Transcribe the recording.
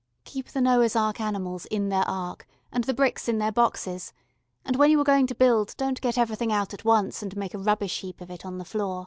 Keep the Noah's Ark animals in their Ark, and the bricks in their boxes, and when you are going to build don't get everything out at once and make a rubbish heap of it on the floor.